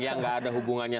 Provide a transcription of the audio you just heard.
yang gak ada hubungannya